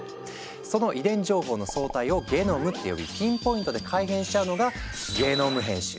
その遺伝情報の総体をゲノムって呼びピンポイントで改変しちゃうのが「ゲノム編集」。